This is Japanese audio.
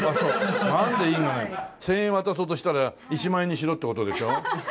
１０００円渡そうとしたら１万円にしろって事でしょ？